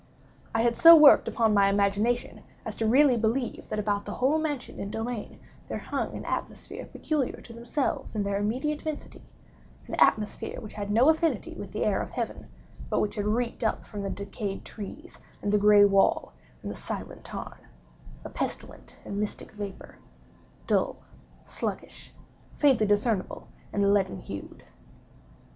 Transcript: I had so worked upon my imagination as really to believe that about the whole mansion and domain there hung an atmosphere peculiar to themselves and their immediate vicinity—an atmosphere which had no affinity with the air of heaven, but which had reeked up from the decayed trees, and the gray wall, and the silent tarn—a pestilent and mystic vapor, dull, sluggish, faintly discernible, and leaden hued.